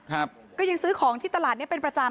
ก็ยังซื้อของที่ตลาดเนี้ยเป็นประจำ